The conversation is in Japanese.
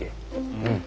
うん。